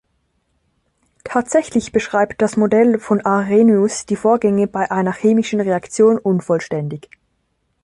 Tatsächlich beschreibt das Modell von Arrhenius die Vorgänge bei einer chemischen Reaktion unvollständig.